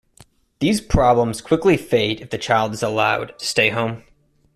These problems quickly fade if the child is allowed to stay home.